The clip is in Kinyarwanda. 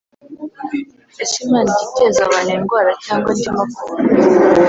Ese Imana ijya iteza abantu indwara cyangwa andi makuba